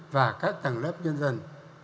và các tầng lớp nhân dân